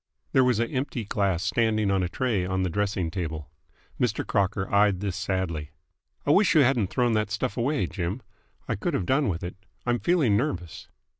There was an empty glass standing on a tray on the dressing table. Mr. Crocker eyed this sadly. "I wish you hadn't thrown that stuff away, Jim. I could have done with it. I'm feeling nervous."